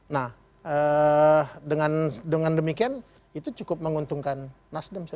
nah dengan demikian itu cukup menguntungkan nasdem